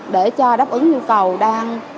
để cho đáp ứng nhu cầu đang